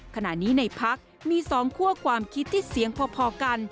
ขณะนี้ในพักมี๒คั่วความคิดที่เสียงพอกัน